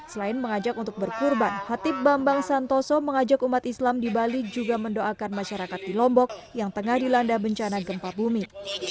selain mengajak untuk berkurban hatip bambang santoso mengajak umat islam di bali juga mendoakan masyarakat di lombok yang tengah dilanda bencana gempa bumi